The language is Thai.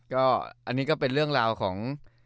ก็อันนี้ก็เป็นเรื่องราวของ